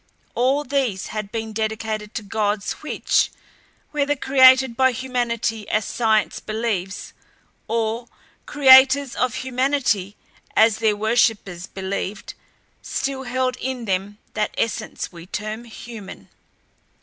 All these had been dedicated to gods which, whether created by humanity as science believes, or creators of humanity as their worshippers believed, still held in them that essence we term human.